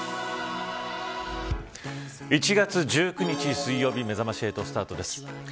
１月１９日水曜日めざまし８スタートです。